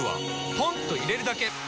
ポンと入れるだけ！